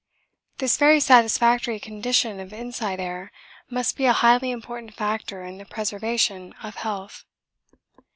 This very satisfactory condition of inside air must be a highly important factor in the preservation of health.